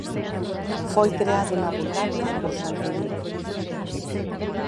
Foi creado na Bulgaria por San Cirilo.